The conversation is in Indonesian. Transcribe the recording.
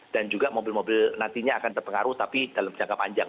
dan juga mobil mobil nantinya akan terpengaruh tapi dalam jangka panjang